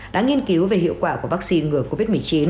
đã nghiên cứu về hiệu quả của vắc xin ngừa covid một mươi chín